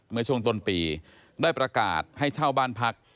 เมื่อช่วงต้นปีได้ประกาศให้เช่าบ้านพัก